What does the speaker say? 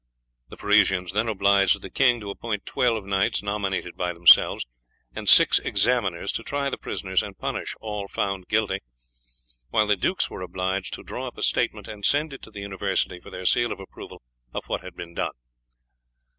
The Parisians then obliged the king to appoint twelve knights, nominated by themselves, and six examiners, to try the prisoners and punish all found guilty, while the dukes were obliged to draw up a statement and send it to the University for their seal of approval of what had been done.